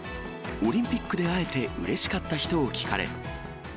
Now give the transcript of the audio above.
オリンピックで会えてうれしかった人を聞かれ。